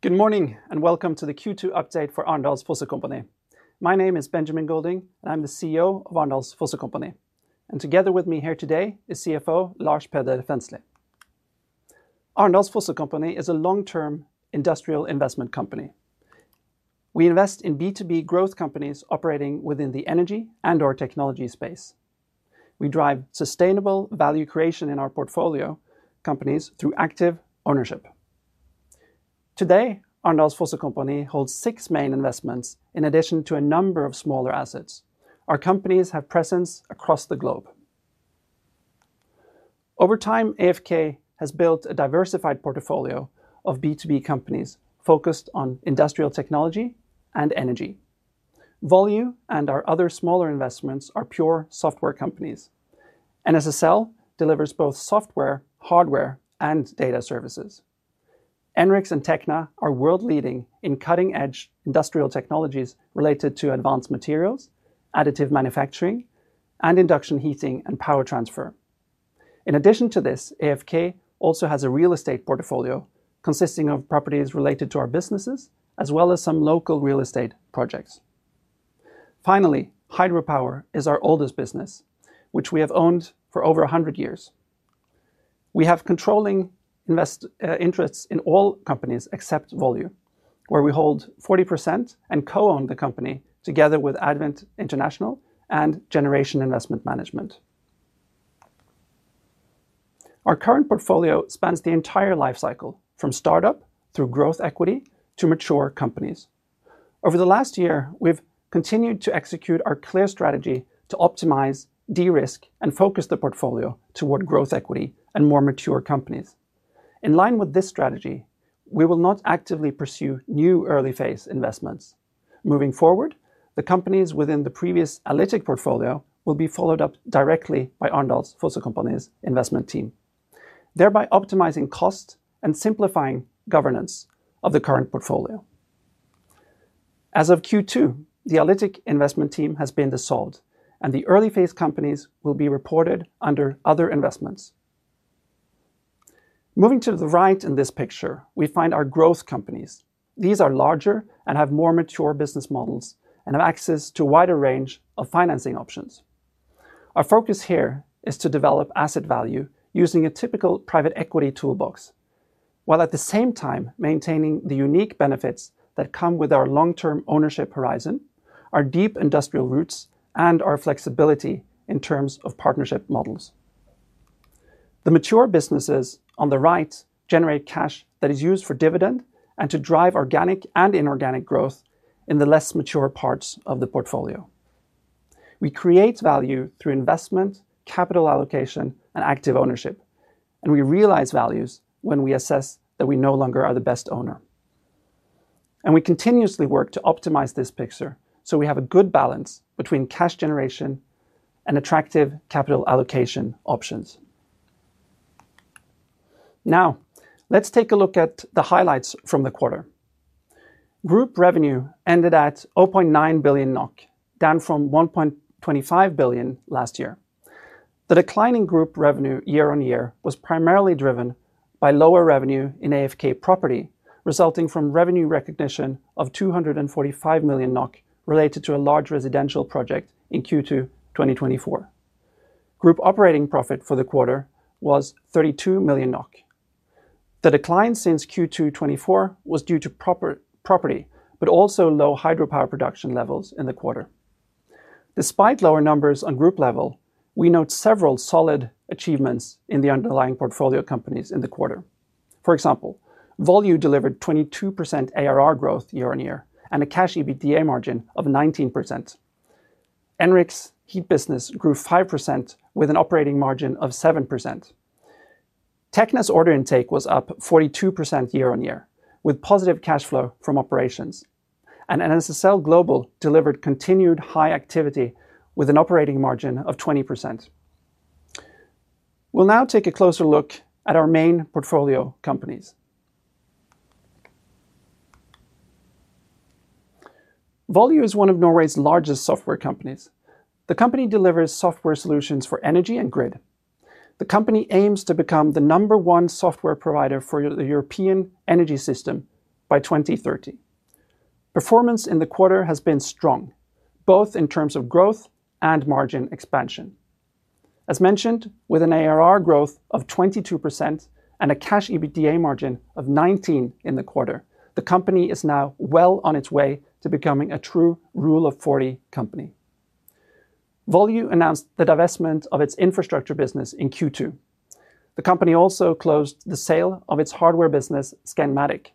Good morning and welcome to the Q2 update for Arendals Fossekompani! My name is Benjamin Golding, and I'm the CEO of Arendals Fossekompani, and together with me here today is CFO Lars Peder Fensli. Arendals Fossekompani is a long-term industrial investment company. We invest in B2B growth companies operating within the energy and/or technology space. We drive sustainable value creation in our portfolio companies through active ownership. Today, Arendals Fossekompani holds six main investments in addition to a number of smaller assets. Our companies have presence across the globe. Over time, AFK has built a diversified portfolio of B2B companies focused on industrial technology and energy. Volue and our other smaller investments are pure software companies. NSSL delivers both software, hardware, and data services. ENRX and Tekna are world-leading in cutting-edge industrial technologies related to advanced materials, additive manufacturing, and induction heating and power transfer. In addition to this, AFK also has a real estate portfolio consisting of properties related to our businesses, as well as some local real estate projects. Finally, hydropower is our oldest business, which we have owned for over 100 years. We have controlling interests in all companies except Volue, where we hold 40% and co-own the company together with Advent International and Generation Investment Management. Our current portfolio spans the entire lifecycle, from startup through growth equity to mature companies. Over the last year, we've continued to execute our clear strategy to optimize, de-risk, and focus the portfolio toward growth equity and more mature companies. In line with this strategy, we will not actively pursue new early-phase investments. Moving forward, the companies within the previous Alytic portfolio will be followed up directly by Arendals Fossekompani's investment team, thereby optimizing cost and simplifying governance of the current portfolio. As of Q2, the Alytic investment team has been dissolved, and the early-phase companies will be reported under other investments. Moving to the right in this picture, we find our growth companies. These are larger and have more mature business models and have access to a wider range of financing options. Our focus here is to develop asset value using a typical private equity toolbox, while at the same time maintaining the unique benefits that come with our long-term ownership horizon, our deep industrial roots, and our flexibility in terms of partnership models. The mature businesses on the right generate cash that is used for dividend and to drive organic and inorganic growth in the less mature parts of the portfolio. We create value through investment, capital allocation, and active ownership, and we realize values when we assess that we no longer are the best owner. We continuously work to optimize this picture so we have a good balance between cash generation and attractive capital allocation options. Now, let's take a look at the highlights from the quarter. Group revenue ended at 0.9 billion NOK, down from 1.25 billion last year. The declining group revenue year-on-year was primarily driven by lower revenue in AFK property, resulting from revenue recognition of 245 million NOK related to a large residential project in Q2 2024. Group operating profit for the quarter was 32 million NOK. The decline since Q2 2024 was due to property, but also low hydropower production levels in the quarter. Despite lower numbers on group level, we note several solid achievements in the underlying portfolio companies in the quarter. For example, Volue delivered 22% ARR growth year-on-year and a cash EBITDA margin of 19%. ENRX's heat business grew 5% with an operating margin of 7%. Tekna's order intake was up 42% year-on-year, with positive cash flow from operations. NSSLGlobal delivered continued high activity with an operating margin of 20%. We'll now take a closer look at our main portfolio companies. Volue is one of Norway's largest software companies. The company delivers software solutions for energy and grid. The company aims to become the number one software provider for the European energy system by 2030. Performance in the quarter has been strong, both in terms of growth and margin expansion. As mentioned, with an ARR growth of 22% and a cash EBITDA margin of 19% in the quarter, the company is now well on its way to becoming a true Rule of 40 company. Volue announced the divestment of its infrastructure business in Q2. The company also closed the sale of its hardware business, Scanmatic.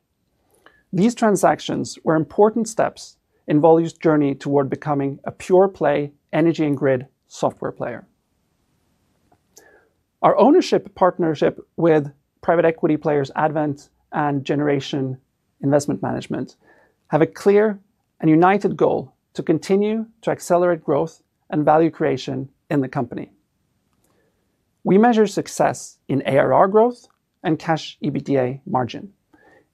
These transactions were important steps in Volue's journey toward becoming a pure-play energy and grid software player. Our ownership partnership with private equity players Advent International and Generation Investment Management has a clear and united goal to continue to accelerate growth and value creation in the company. We measure success in ARR growth and cash EBITDA margin.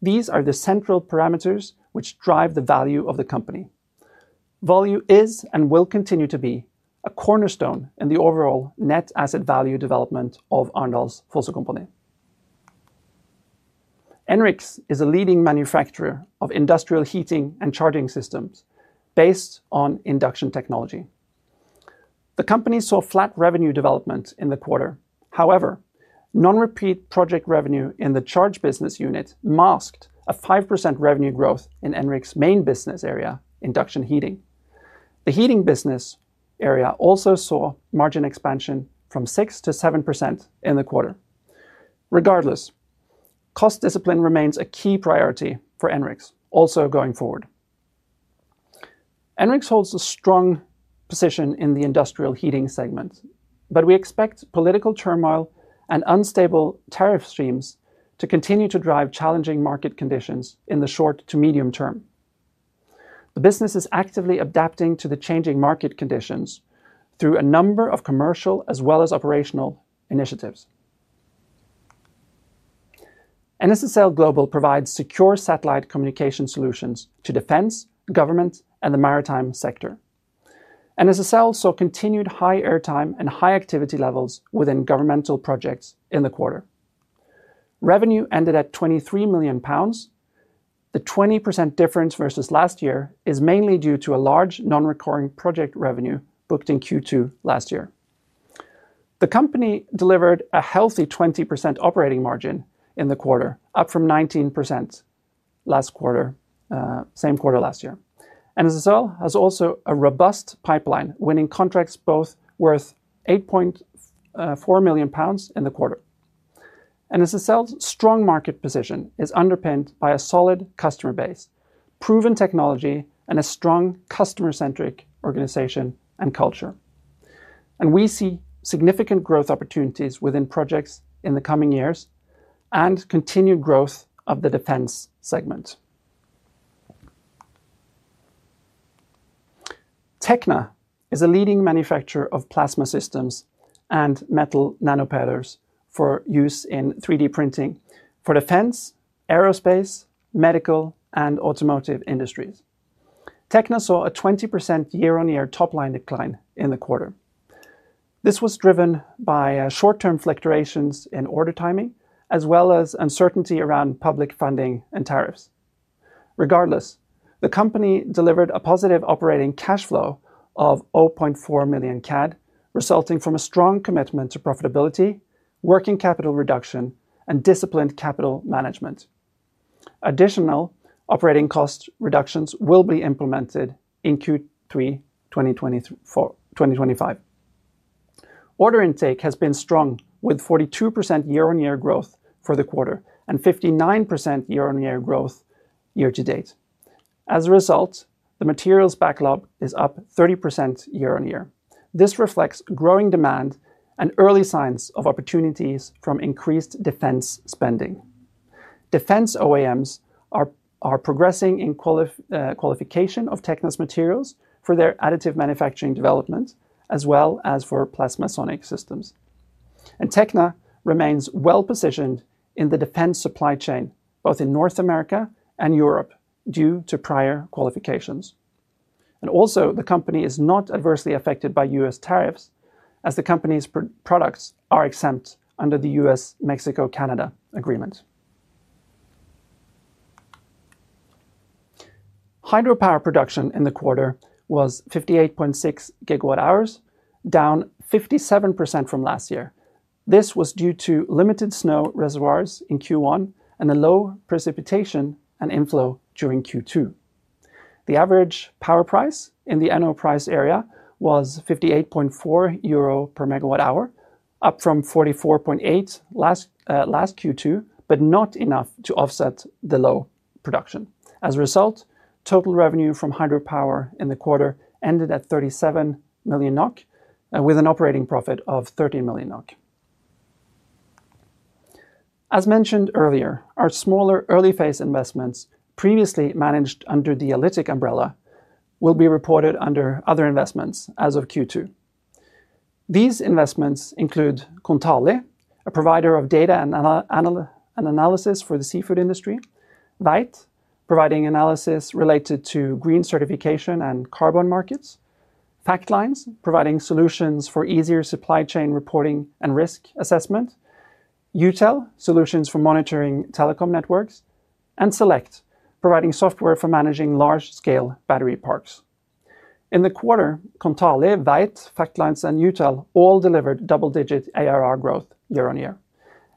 These are the central parameters which drive the value of the company. Volue is and will continue to be a cornerstone in the overall net asset value development of Arendals Fossekompani. ENRX is a leading manufacturer of industrial heating and charging systems based on induction technology. The company saw flat revenue development in the quarter, however, non-repeat project revenue in the charging business unit masked a 5% revenue growth in ENRX's main business area, induction heating. The heating business area also saw margin expansion from 6% to 7% in the quarter. Regardless, cost discipline remains a key priority for ENRX, also going forward. ENRX holds a strong position in the industrial heating segment, but we expect political turmoil and unstable tariff streams to continue to drive challenging market conditions in the short to medium term. The business is actively adapting to the changing market conditions through a number of commercial as well as operational initiatives. NSSLGlobal provides secure satellite communication solutions to defense, government, and the maritime sector. NSSLGlobal saw continued high airtime and high activity levels within governmental projects in the quarter. Revenue ended at 23 million pounds. The 20% difference versus last year is mainly due to a large non-recurring project revenue booked in Q2 last year. The company delivered a healthy 20% operating margin in the quarter, up from 19% last quarter, same quarter last year. NSSL has also a robust pipeline, winning contracts both worth 8.4 million pounds in the quarter. NSSL's strong market position is underpinned by a solid customer base, proven technology, and a strong customer-centric organization and culture. We see significant growth opportunities within projects in the coming years and continued growth of the defense segment. Tekna is a leading manufacturer of plasma systems and metal nanopowders for use in 3D printing for defense, aerospace, medical, and automotive industries. Tekna saw a 20% year-on-year top-line decline in the quarter. This was driven by short-term fluctuations in order timing, as well as uncertainty around public funding and tariffs. Regardless, the company delivered a positive operating cash flow of NOK 0.4 million, resulting from a strong commitment to profitability, working capital reduction, and disciplined capital management. Additional operating cost reductions will be implemented in Q3 2025. Order intake has been strong, with 42% year-on-year growth for the quarter and 59% year-on-year growth year to date. As a result, the materials backlog is up 30% year-on-year. This reflects growing demand and early signs of opportunities from increased defense spending. Defense OEMs are progressing in qualification of Tekna's materials for their additive manufacturing development, as well as for plasma sonic systems. Tekna remains well positioned in the defense supply chain, both in North America and Europe, due to prior qualifications. The company is not adversely affected by U.S. tariffs, as the company's products are exempt under the U.S.-Mexico-Canada agreement. Hydropower production in the quarter was 58.6 GWh, down 57% from last year. This was due to limited snow reservoirs in Q1 and low precipitation and inflow during Q2. The average power price in the NO price area was 58.4 euro/MWh, up from 44.8 last Q2, but not enough to offset the low production. As a result, total revenue from hydropower in the quarter ended at 37 million NOK, with an operating profit of 13 million NOK. As mentioned earlier, our smaller early-phase investments previously managed under the Alytic umbrella will be reported under other investments as of Q2. These investments include Kontali, a provider of data and analysis for the seafood industry; Veyt, providing analysis related to green certification and carbon markets; Factlines, providing solutions for easier supply chain reporting and risk assessment; Utel, solutions for monitoring telecom networks; and Select, providing software for managing large-scale battery parks. In the quarter, Kontali, Veyt, Factlines, and Utel all delivered double-digit ARR growth year-on-year.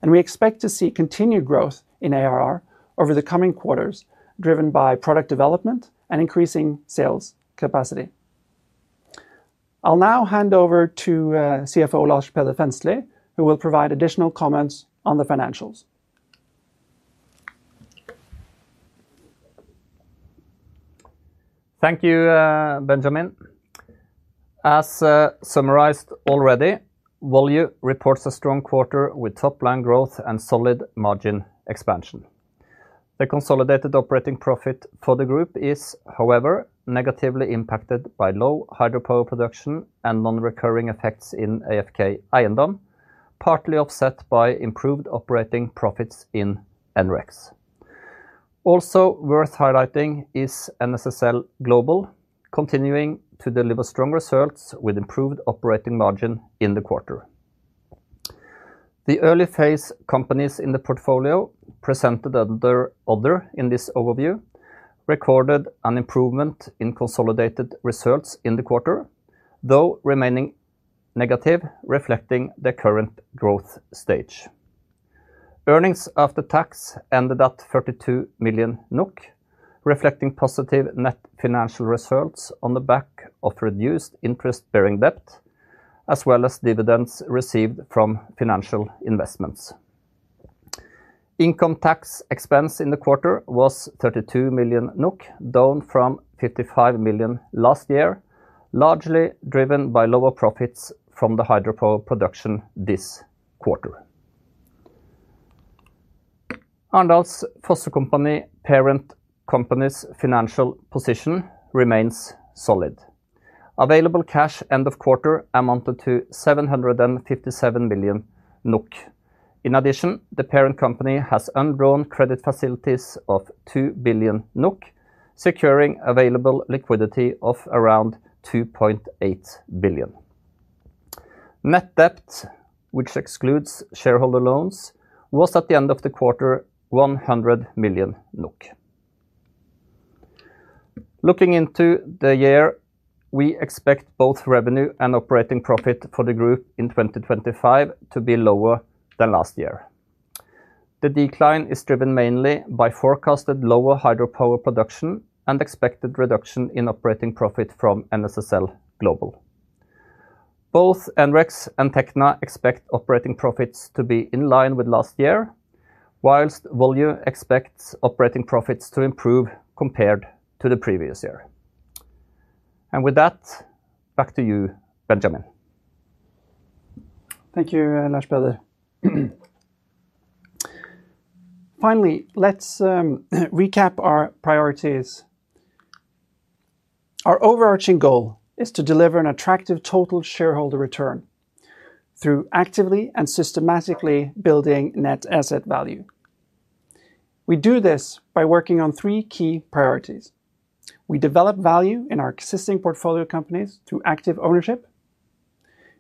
We expect to see continued growth in ARR over the coming quarters, driven by product development and increasing sales capacity. I'll now hand over to CFO Lars Peder Fensli, who will provide additional comments on the financials. Thank you, Benjamin. As summarized already, Volue reports a strong quarter with top-line growth and solid margin expansion. The consolidated operating profit for the group is, however, negatively impacted by low hydropower production and non-recurring effects in AFK Eiendom, partly offset by improved operating profits in ENRX. Also worth highlighting is NSSLGlobal, continuing to deliver strong results with improved operating margin in the quarter. The early-phase companies in the portfolio presented under "other" in this overview recorded an improvement in consolidated results in the quarter, though remaining negative, reflecting the current growth stage. Earnings after tax ended at 32 million, reflecting positive net financial results on the back of reduced interest-bearing debt, as well as dividends received from financial investments. Income tax expense in the quarter was 32 million NOK, down from 55 million last year, largely driven by lower profits from the hydropower production this quarter. Arendals Fossekompani parent company's financial position remains solid. Available cash end of quarter amounted to 757 million NOK. In addition, the parent company has undrawn credit facilities of 2 billion NOK, securing available liquidity of around 2.8 billion. Net debt, which excludes shareholder loans, was at the end of the quarter 100 million NOK. Looking into the year, we expect both revenue and operating profit for the group in 2025 to be lower than last year. The decline is driven mainly by forecasted lower hydropower production and expected reduction in operating profit from NSSLGlobal. Both ENRX and Tekna expect operating profits to be in line with last year, whilst Volue expects operating profits to improve compared to the previous year. With that, back to you, Benjamin. Thank you, Lars Peder. Finally, let's recap our priorities. Our overarching goal is to deliver an attractive total shareholder return through actively and systematically building net asset value. We do this by working on three key priorities. We develop value in our existing portfolio companies through active ownership.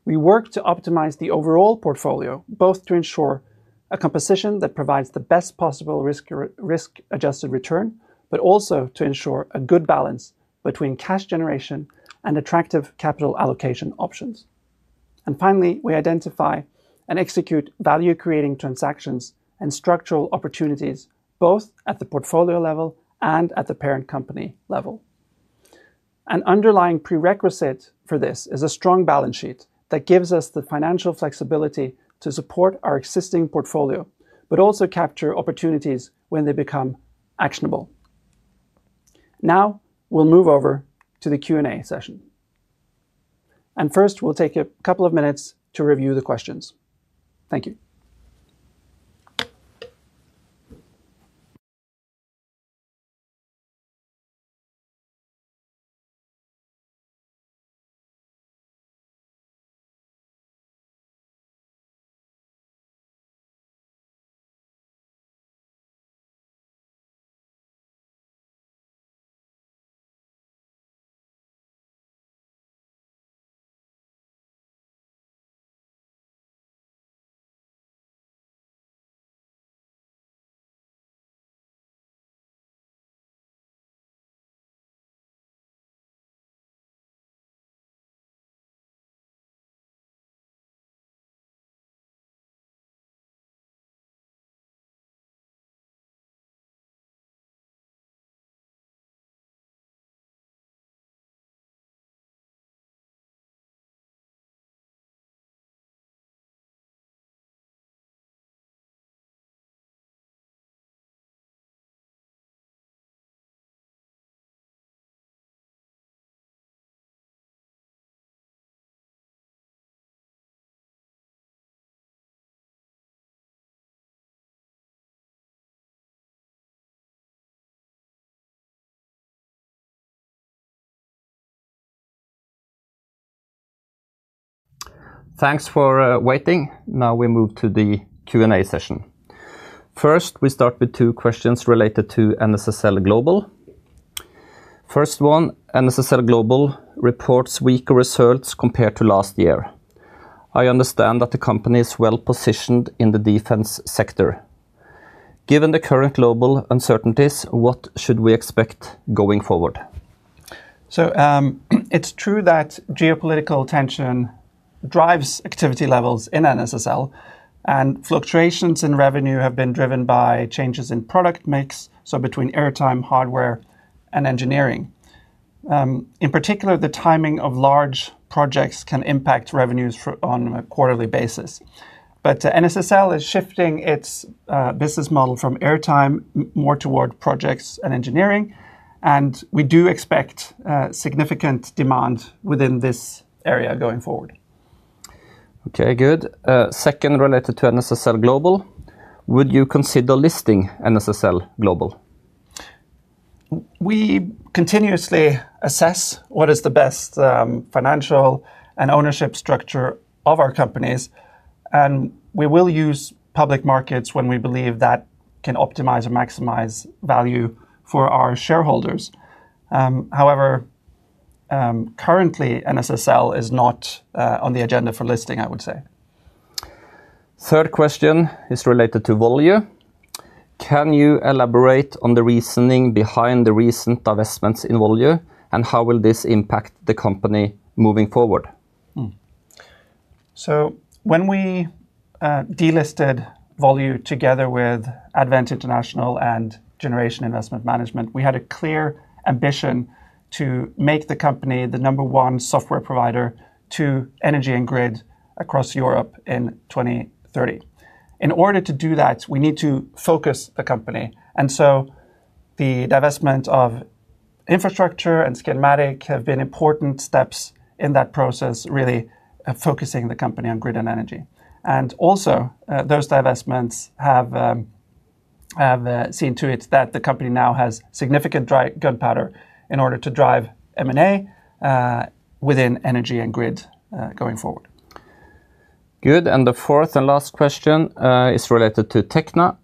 We work to optimize the overall portfolio, both to ensure a composition that provides the best possible risk-adjusted return, but also to ensure a good balance between cash generation and attractive capital allocation options. Finally, we identify and execute value-creating transactions and structural opportunities, both at the portfolio level and at the parent company level. An underlying prerequisite for this is a strong balance sheet that gives us the financial flexibility to support our existing portfolio, but also capture opportunities when they become actionable. Now, we'll move over to the Q&A session. First, we'll take a couple of minutes to review the questions. Thank you. Thanks for waiting. Now we move to the Q&A session. First, we start with two questions related to NSSLGlobal. First one, NSSLGlobal reports weaker results compared to last year. I understand that the company is well positioned in the defense sector. Given the current global uncertainties, what should we expect going forward? It is true that geopolitical tension drives activity levels in NSSL, and fluctuations in revenue have been driven by changes in product mix, so between airtime, hardware, and engineering. In particular, the timing of large projects can impact revenues on a quarterly basis. NSSL is shifting its business model from airtime more toward projects and engineering, and we do expect significant demand within this area going forward. Okay, good. Second, related to NSSLGlobal, would you consider listing NSSLGlobal? We continuously assess what is the best financial and ownership structure of our companies, and we will use public markets when we believe that can optimize or maximize value for our shareholders. However, currently, NSSL is not on the agenda for listing, I would say. Third question is related to Volue. Can you elaborate on the reasoning behind the recent divestments in Volue, and how will this impact the company moving forward? When we delisted Volue together with Advent International and Generation Investment Management, we had a clear ambition to make the company the number one software provider to energy and grid across Europe in 2030. In order to do that, we need to focus the company, and the divestment of infrastructure and Scanmatic have been important steps in that process, really focusing the company on grid and energy. Those divestments have seen to it that the company now has significant gunpowder in order to drive M&A within energy and grid going forward. Good. The fourth and last question is related to Tekna.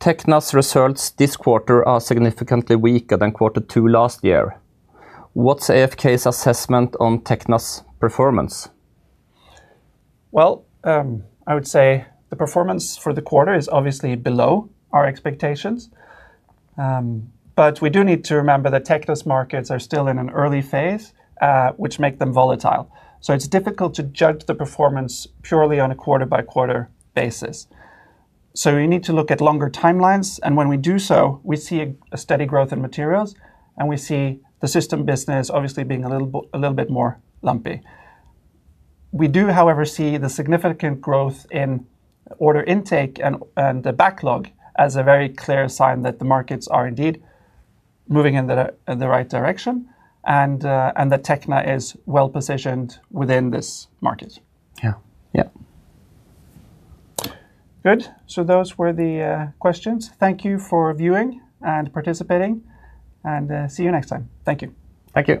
Tekna's results this quarter are significantly weaker than quarter two last year. What's AFK's assessment on Tekna's performance? The performance for the quarter is obviously below our expectations, but we do need to remember that Tekna's markets are still in an early phase, which makes them volatile. It's difficult to judge the performance purely on a quarter-by-quarter basis. We need to look at longer timelines, and when we do so, we see a steady growth in materials, and we see the system business obviously being a little bit more lumpy. We do, however, see the significant growth in order intake and the backlog as a very clear sign that the markets are indeed moving in the right direction, and that Tekna is well positioned within this market. Yeah, yeah. Good. Those were the questions. Thank you for viewing and participating, and see you next time. Thank you. Thank you.